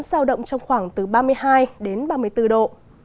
giao động trong khoảng từ ba mươi hai đến ba mươi bốn độ